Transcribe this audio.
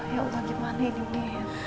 ya allah gimana ini